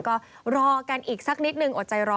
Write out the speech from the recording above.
ก็รอกันอีกสักนิดนึงอดใจรอ